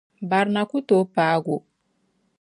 barina ku tooi paagi o.